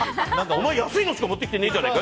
お前、安いのしか持ってきてないじゃないか！